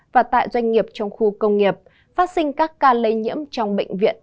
và tại doanh nghiệp trong khu công nghiệp phát sinh các ca lây nhiễm trong bệnh viện